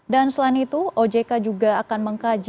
dan selain itu ojk juga akan mengkajak